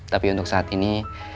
tapi untuk saat ini